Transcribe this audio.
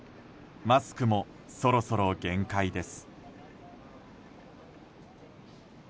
マスクもそろそろ限界です。